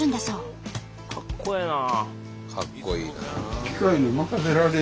かっこいいな。